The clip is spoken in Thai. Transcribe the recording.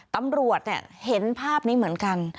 ตำรวจเห็นภาพนี้เหมือนกัน